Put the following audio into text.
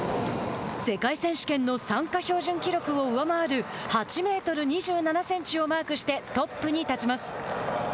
世界選手権の参加標準記録を上回る８メートル２７センチをマークしてトップに立ちます。